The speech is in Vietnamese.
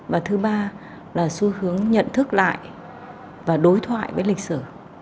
và thứ ba là xu hướng nhận thức lại và đối thoại với lịch sử